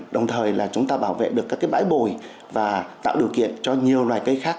đồng thời là chúng ta bảo vệ được các cái bãi bồi và tạo điều kiện cho nhiều loài cây khác